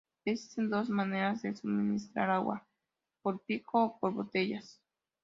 Existen dos maneras de suministrar agua: por picos o por botellas.